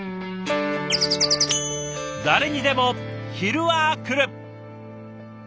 誰にでも昼はくる。